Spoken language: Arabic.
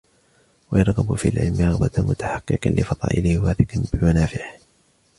وَيَرْغَبَ فِي الْعِلْمِ رَغْبَةَ مُتَحَقِّقٍ لِفَضَائِلِهِ وَاثِقٍ بِمَنَافِعِهِ